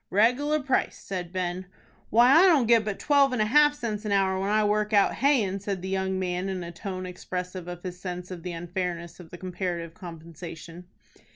"Reg'lar price," said Ben. "Why I don't get but twelve and a half cents an hour when I work out hayin'," said the young man in a tone expressive of his sense of the unfairness of the comparative compensation.